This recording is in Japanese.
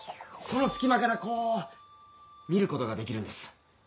この隙間からこう見ることができるんです。